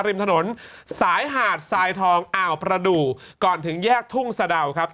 ริมถนนสายหาดทรายทองอ่าวประดูกก่อนถึงแยกทุ่งสะดาวครับ